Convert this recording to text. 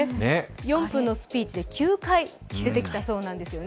４分のスピーチで９回出てきたそうなんですよね。